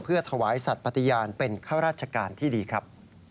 เพื่อถวายสัตว์ปฏิญาณเป็นข้าราชการที่ดีครับ